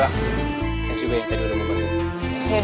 thanks juga ya tadi udah ngomong banget